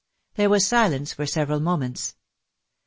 There was silence for several moments.